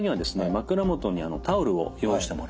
枕元にタオルを用意してもらうなどして。